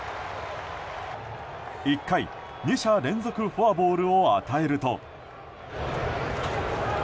１回、２者連続フォアボールを与えると。